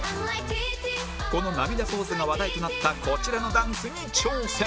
この涙ポーズが話題となったこちらのダンスに挑戦！